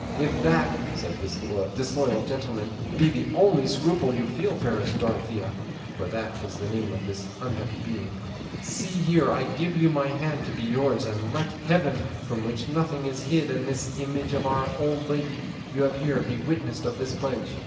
'If that,' said this disloyal gentleman, 'be the only scruple you feel, fairest Dorothea' (for that is the name of this unhappy being), 'see here I give you my hand to be yours, and let Heaven, from which nothing is hid, and this image of Our Lady you have here, be witnesses of this pledge.